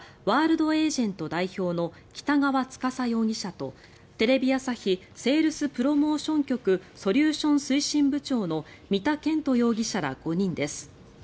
ワールドエージェント代表の北川督容疑者とテレビ朝日セールスプロモーション局ソリューション推進部長の三田研人容疑者ら５人です。